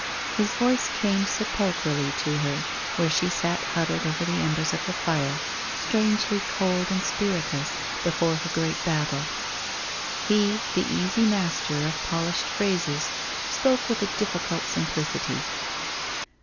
His voice came sepulchrally to her where she sat huddled over the embers of the fire, strangely cold and spiritless before her great battle. He, the easy master of polished phrases, spoke with a difficult simplicity.